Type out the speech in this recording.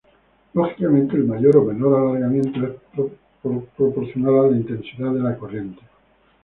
Lógicamente el mayor o menor alargamiento es proporcional a la intensidad de la corriente.